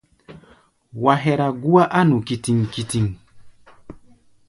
Wa hɛra gúá á nu kítíŋ-kítíŋ.